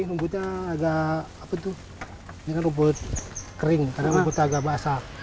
rumputnya agak apa tuh ini kan rumput kering karena rumputnya agak basah